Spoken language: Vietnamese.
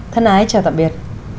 thân ái chào tạm biệt